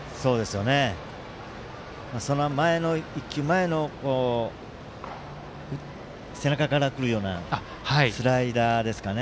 その前の背中からくるようなスライダーですかね。